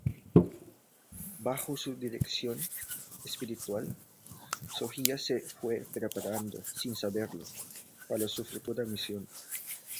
Bajo su dirección espiritual, Sofía se fue preparando, sin saberlo, para su futura misión.